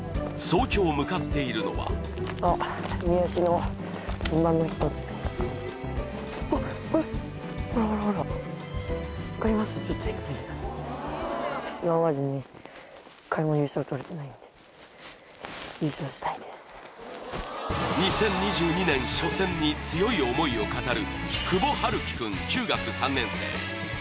早朝向かっているのは２０２２年初戦に強い思いを語る久保陽貴くん中学３年生。